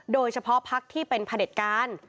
โดยเฉพาะภักดิ์ที่เป็นผลิตการ